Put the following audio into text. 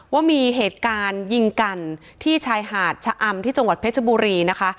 ว่ามีเหตุการณ์ยิงกันที่ชายหาดชะอำที่จังหวัดเพชรบุรีนะคะ